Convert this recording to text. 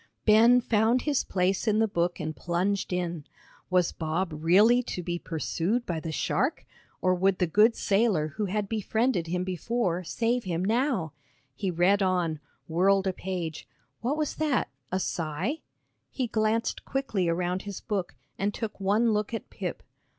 Ben found his place in the book and plunged in. Was Bob really to be pursued by the shark, or would the good sailor who had befriended him before, save him now? He read on whirled a page what was that, a sigh? He glanced quickly around his book, and took one look at Pip.